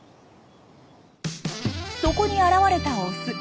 そこに現れたオス。